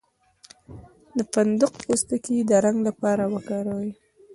د فندق پوستکی د رنګ لپاره وکاروئ